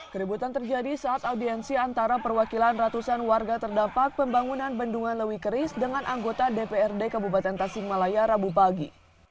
keributan terjadi saat audiensi antara perwakilan ratusan warga terdampak pembangunan bendungan lewi keris dengan anggota dprd kabupaten tasikmalaya rabu pagi